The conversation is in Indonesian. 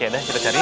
ya udah kita cari